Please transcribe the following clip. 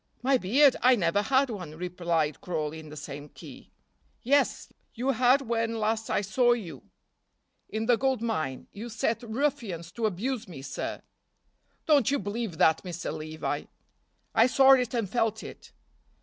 "My beard! I never had one," replied Crawley, in the same key. "Yes, you had when last I saw you in the gold mine; you set ruffians to abuse me, sir." "Don't you believe that, Mr. Levi." "I saw it and felt it."